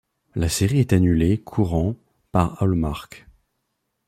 La série est annulée courant par Hallmark.